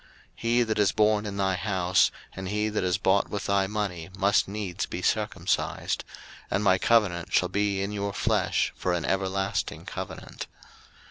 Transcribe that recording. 01:017:013 He that is born in thy house, and he that is bought with thy money, must needs be circumcised: and my covenant shall be in your flesh for an everlasting covenant.